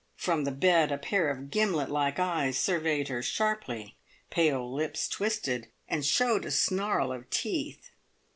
From the bed a pair of gimlet like eyes surveyed her sharply, pale lips twisted, and showed a snarl of teeth.